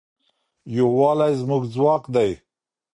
یووالی زموږ ځواک دی.